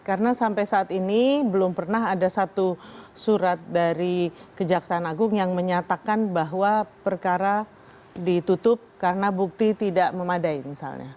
karena sampai saat ini belum pernah ada satu surat dari kejaksaan agung yang menyatakan bahwa perkara ditutup karena bukti tidak memadai misalnya